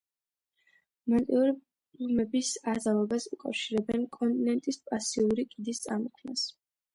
მანტიური პლუმების აზევებას უკავშირებენ კონტინენტის პასიური კიდის წარმოქმნას.